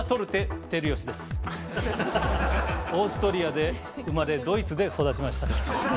オーストリアで生まれドイツで育ちました。